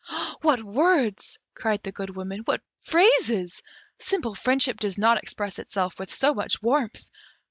"What words!" cried the Good Woman, "what phrases! Simple friendship does not express itself with so much warmth."